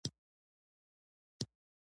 توحید ژوره معنا دوه مفهومونه رانغاړي.